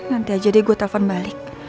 nanti aja deh gue telepon balik